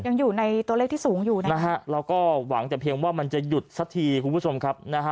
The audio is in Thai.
ยังอยู่ในตัวเลขที่สูงอยู่นะฮะเราก็หวังแต่เพียงว่ามันจะหยุดสักทีคุณผู้ชมครับนะฮะ